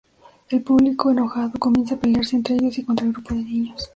El público, enojado, comienza a pelearse, entre ellos y contra el grupo de niños.